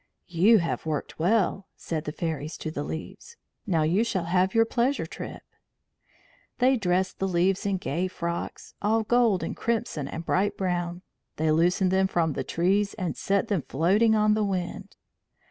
"You have worked well," said the fairies to the leaves. "Now you shall have your pleasure trip." They dressed the leaves in gay frocks, all gold and crimson and bright brown; they loosened them from the trees and set them floating on the wind.